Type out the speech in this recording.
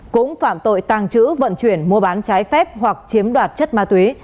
cũng phạm tội tàng trữ vận chuyển mua bán trái phép hoặc chiếm đoạt chất ma túy